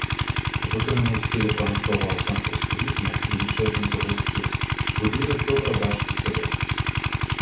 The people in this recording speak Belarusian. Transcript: Выкананы ў стылі прамысловага канструктывізму, велічэзны заводскі будынак добра бачны здалёк.